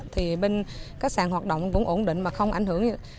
thì bên khách sạn hoạt động cũng ổn định mà không ảnh hưởng